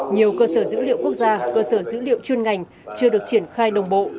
nhiều cơ sở dữ liệu quốc gia cơ sở dữ liệu chuyên ngành chưa được triển khai đồng bộ